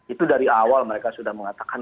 itu dari awal mereka sudah mengatakan